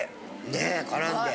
ねえ絡んで。